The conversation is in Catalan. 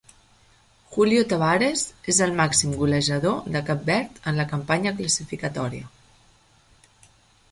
Julio Tavares és el màxim golejador de Cap Verd en la campanya classificatòria.